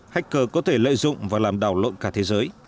hacker có thể lợi dụng và làm đảo lộn cả thế giới